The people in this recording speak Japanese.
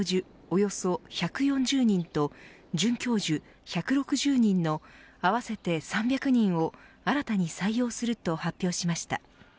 およそ１４０人と准教授１６０人の合わせて３００人を新たに採用すると発表しました。